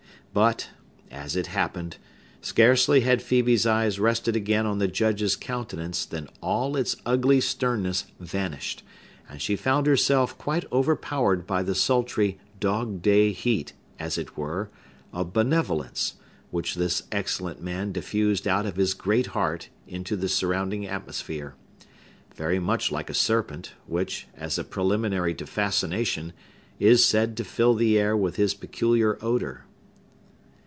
But, as it happened, scarcely had Phœbe's eyes rested again on the Judge's countenance than all its ugly sternness vanished; and she found herself quite overpowered by the sultry, dog day heat, as it were, of benevolence, which this excellent man diffused out of his great heart into the surrounding atmosphere,—very much like a serpent, which, as a preliminary to fascination, is said to fill the air with his peculiar odor.